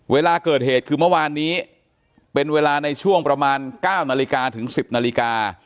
เวลาเกิดเหตุคือเมื่อวานนี้เป็นเวลาในช่วงประมาณ๙นาฬิกาถึง๑๐นาฬิกา